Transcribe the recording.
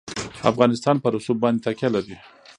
افغانستان په رسوب باندې تکیه لري.